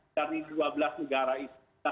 dari dua belas negara itu